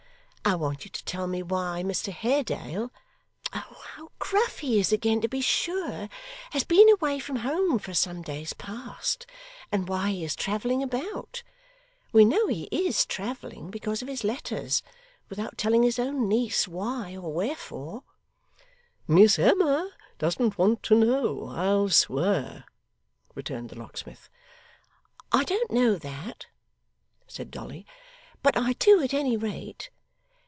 I want you to tell me why Mr Haredale oh, how gruff he is again, to be sure! has been away from home for some days past, and why he is travelling about (we know he IS travelling, because of his letters) without telling his own niece why or wherefore.' 'Miss Emma doesn't want to know, I'll swear,' returned the locksmith. 'I don't know that,' said Dolly; 'but I do, at any rate.